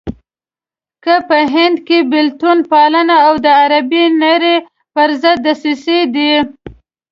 که په هند کې بېلتون پالنه او د عربي نړۍ پرضد دسيسې دي.